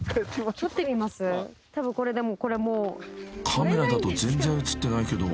［カメラだと全然映ってないけど］